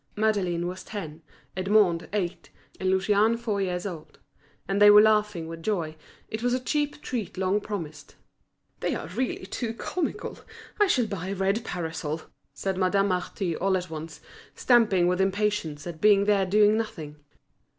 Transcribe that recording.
Madeleine was ten, Edmond eight, and Lucien four years old; and they were laughing with joy, it was a cheap treat long promised. "They are really too comical; I shall buy a red parasol," said Madame Marty all at once, stamping with impatience at being there doing nothing.